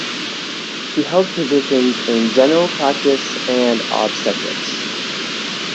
She held positions in general practise and obstetrics.